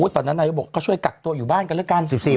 ตอนนั้นนายกบอกก็ช่วยกักตัวอยู่บ้านกันแล้วกัน